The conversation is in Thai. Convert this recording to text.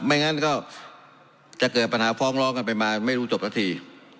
ไม่งั้นก็จะเกือบปัญหาฟ้องร้องไปกันไม่จบนัดที